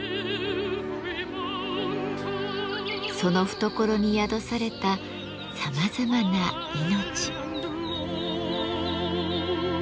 その懐に宿されたさまざまな命。